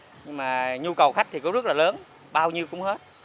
nhưng mà nhu cầu khách thì cũng rất là lớn bao nhiêu cũng hết